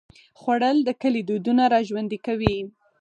خوړل د کلي دودونه راژوندي کوي